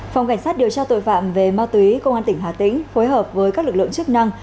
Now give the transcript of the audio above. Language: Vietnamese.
phòng cảnh sát điều tra tội phạm về ma túy công an tỉnh hà tĩnh phối hợp với các lực lượng chức năng